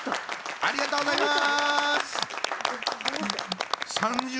ありがとうございます。